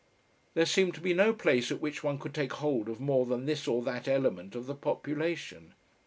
There seemed to be no place at which one could take hold of more than this or that element of the population.